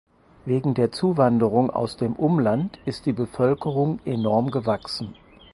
Wegen der Zuwanderung aus dem Umland ist die Bevölkerung enorm gewachsen.